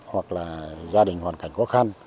hoặc là gia đình hoàn cảnh khó khăn